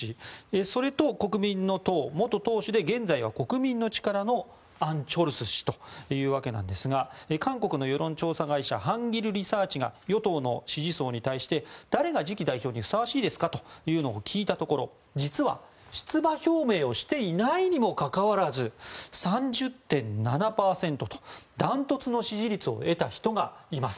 それと国民の党元党首で現在は国民の力のアン・チョルス氏というわけですが韓国の世論調査会社ハンギルリサーチが与党の支持層に対して誰が次期大統領にふさわしいですかというのを聞いたところ実は出馬表明をしていないにもかかわらず３０．７％と、断トツの支持率を得た人がいます。